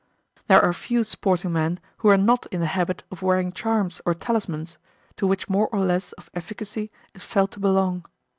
There are few sporting men who are not in the habit of wearing charms or talismans to which more or less of efficacy is felt to belong.